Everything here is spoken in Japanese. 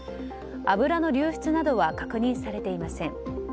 油の流出などは確認されていません。